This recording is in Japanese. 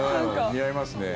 似合いますね。